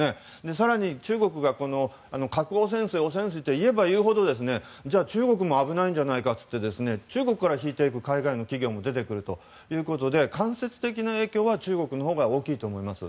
更に中国が汚染水と言えば言うほど、中国も危ないんじゃないかということで中国から引いていく海外の企業も出てくるということで間接的な影響は中国のほうが大きいと思います。